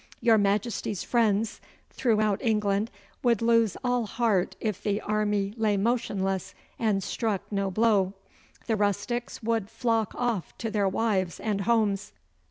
Your Majesty's friends throughout England would lose all heart if the army lay motionless and struck no blow. The rustics would flock off to their wives and homes.